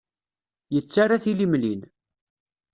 Yettarra tilimlin.